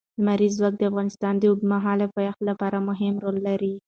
لمریز ځواک د افغانستان د اوږدمهاله پایښت لپاره مهم رول لري.